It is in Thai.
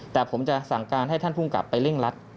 แต่ผมจะสั่งการให้ท่านภูมิกลับไปเร่งรัด